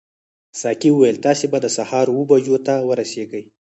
ساقي وویل تاسي به د سهار اوو بجو ته ورسیږئ.